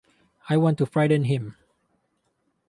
I want to frighten him.